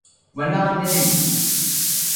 Quan la van detenir?